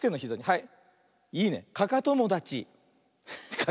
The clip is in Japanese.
はい。